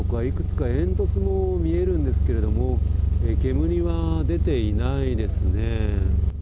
いくつか煙突も見えるんですけれども、煙は出ていないですね。